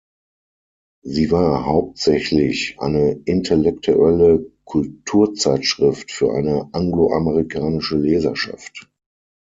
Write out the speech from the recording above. Sie war hauptsächlich eine intellektuelle Kulturzeitschrift für eine angloamerikanische Leserschaft.